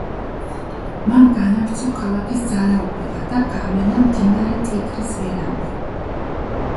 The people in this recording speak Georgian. მან განავრცო ქალაქის ძალაუფლება და გავლენა მდინარე ტიგრის ველამდე.